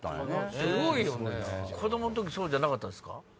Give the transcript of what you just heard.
子供の時そうじゃなかったんすか？